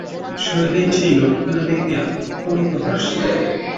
শৈলেন সেই নোটখানা দেখিয়া অত্যন্ত হাসিল।